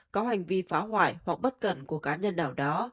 có hành vi phá hoại hoặc bất cần của cá nhân nào đó